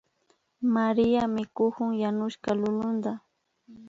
María mikukun yanushka lulunta